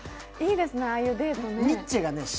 いいですね、ああいうデートね。